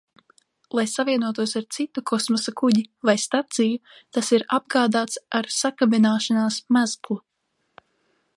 Lai savienotos ar citu kosmosa kuģi vai staciju, tas ir apgādāts ar sakabināšanās mezglu.